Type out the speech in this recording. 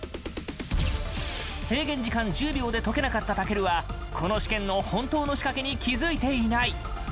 制限時間１０秒で解けなかった健はこの試験の本当の仕掛けに気付いていない。